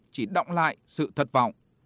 chỉ động lại sự thất vọng